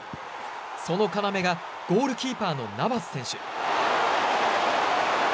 その要がゴールキーパーのナバス選手。